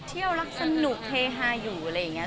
เที่ยวรักสนุกเฮฮาอยู่อะไรอย่างนี้